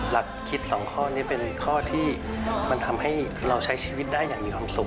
หลักคิดสองข้อนี้เป็นข้อที่มันทำให้เราใช้ชีวิตได้อย่างมีความสุข